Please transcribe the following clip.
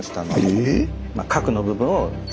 え？